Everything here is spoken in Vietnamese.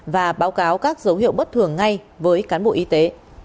và báo cáo các dấu hiệu bất thường ngay với cán bộ y tế